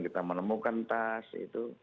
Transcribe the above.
kita menemukan tas itu